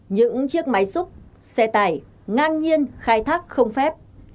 những chiếc máy xúc xe tải ngang nhiên khai thác không phép